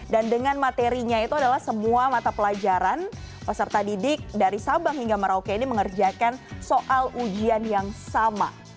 dan dengan materinya itu adalah semua mata pelajaran peserta didik dari sabang hingga merauke ini mengerjakan soal ujian yang sama